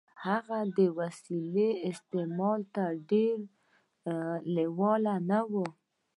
هغه د وسيلې استعمال ته ډېر لېوال نه و.